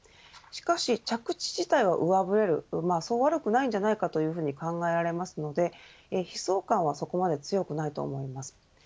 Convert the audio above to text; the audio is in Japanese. しかし着地自体は上振れるそう悪くないんじゃないかというふうに考えられますので悲壮感はそこまで強くないと思います。